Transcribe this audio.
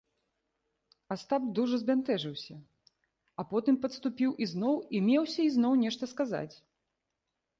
Астап дужа збянтэжыўся, а потым падступіў ізноў і меўся ізноў нешта сказаць.